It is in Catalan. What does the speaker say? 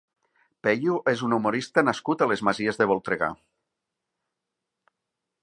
Peyu és un humorista nascut a les Masies de Voltregà.